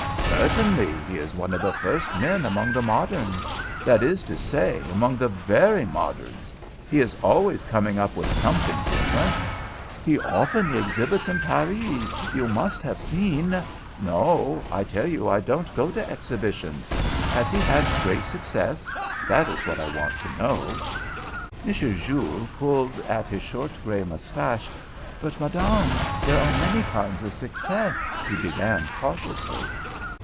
"Certainly. He is one of the first men among the moderns. That is to say, among the very moderns. He is always coming up with something different. He often exhibits in Paris, you must have seen " "No, I tell you I don't go to exhibitions. Has he had great success? That is what I want to know." M. Jules pulled at his short grey moustache. "But, Madame, there are many kinds of success," he began cautiously.